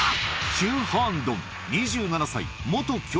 ヒュー・ハーンドン２７歳。